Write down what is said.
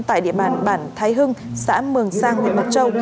tại địa bàn bản thái hưng xã mường sang huyện mộc châu